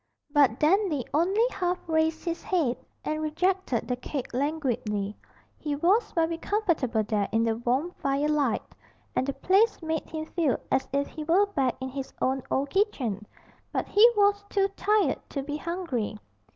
But Dandy only half raised his head and rejected the cake languidly he was very comfortable there in the warm firelight, and the place made him feel as if he were back in his own old kitchen, but he was too tired to be hungry.